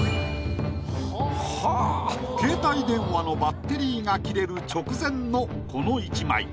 携帯電話のバッテリーが切れる直前のこの１枚。